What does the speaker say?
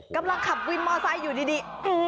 กำลังขับวินมอไซค์อยู่ดี